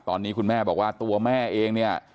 ตอนนี้คุณแม่บอกว่าตัวแม่เองเนี่ย